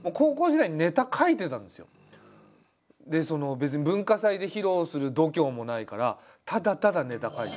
別に文化祭で披露する度胸もないからただただネタ書いて。